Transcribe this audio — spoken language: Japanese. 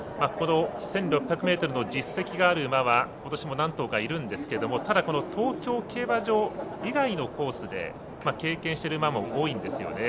この１６００ｍの実績がある馬はことしも何頭かいるんですけどもただ、この東京競馬場以外のコースで経験している馬も多いんですよね。